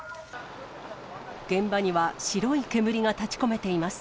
現場には白い煙が立ち込めています。